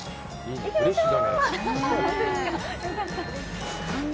行きましょう！